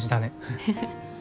フフフ。